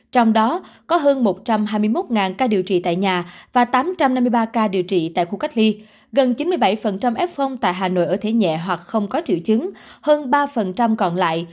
trong số ca mắc covid một mươi chín nhiễm omicron hoặc không có triệu chứng hơn ba còn lại